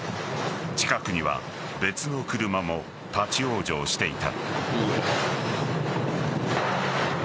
近くには別の車も立ち往生していた。